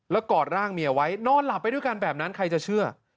แล้วกอดร่างเมียไว้นอนหลับไปด้วยกันแบบนั้นใครจะเชื่อ